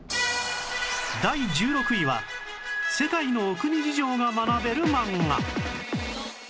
第１６位は世界のお国事情が学べる漫画